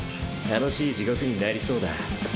楽しい地獄になりそうだ。